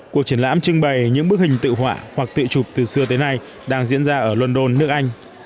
cuộc triển lãm trưng bày những bức hình tự họa hoặc tự chụp từ xưa tới nay đang diễn ra ở london nước anh